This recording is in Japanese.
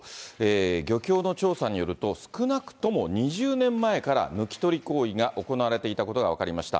漁協の調査によると、少なくとも２０年前から抜き取り行為が行われていたことが分かりました。